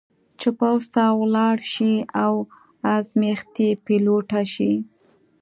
چې پوځ ته ولاړه شي او ازمېښتي پیلوټه شي.